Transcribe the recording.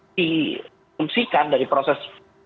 di kungsikan dari proses